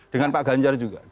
dengan pak ganjar juga